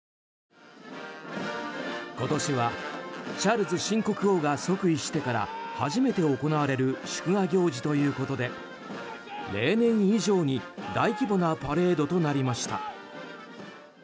今年はチャールズ新国王が即位してから初めて行われる祝賀行事ということで例年以上に大規模なパレードとなりました。